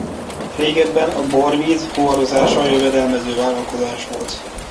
Régebben a borvíz fuvarozása jövedelmező vállalkozás volt.